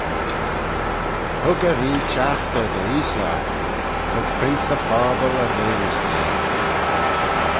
Hug y ree chaghter dy eaysley eh: hug prince y phobble e reamys da.